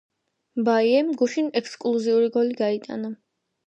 მბაიემ გუშინ ექსკლუზიური გოლი გაიტანა